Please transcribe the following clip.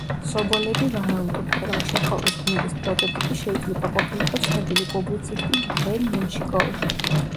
სობოლევი ვარაუდობდა, რომ ჩეხოვის გმირის პროტოტიპი შეიძლება ყოფილიყო ცნობილი პუბლიცისტი მიხეილ მენშიკოვი.